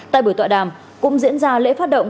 tại buổi tọa đàm cũng diễn ra lễ phát động